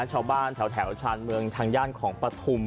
ชาวบ้านแถวชาญเมืองทางย่านของปฐุม